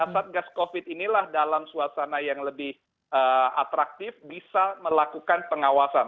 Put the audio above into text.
satgas covid inilah dalam suasana yang lebih atraktif bisa melakukan pengawasan